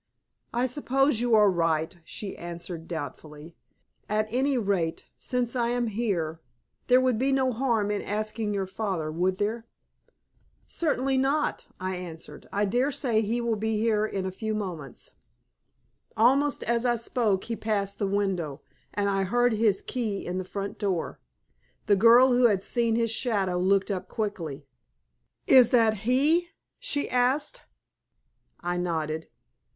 "I suppose you are right," she answered, doubtfully. "At any rate since I am here there would be no harm in asking your father, would there?" "Certainly not," I answered. "I daresay he will be here in a few moments." Almost as I spoke he passed the window, and I heard his key in the front door. The girl, who had seen his shadow, looked up quickly. "Is that he?" she asked. I nodded.